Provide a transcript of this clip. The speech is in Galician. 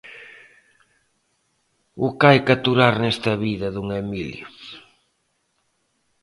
_¡O que hai que aturar nesta vida, don Emilio...!